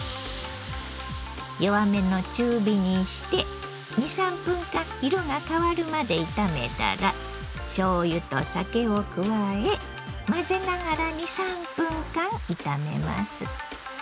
弱めの中火にして２３分間色が変わるまで炒めたらしょうゆと酒を加え混ぜながら２３分間炒めます。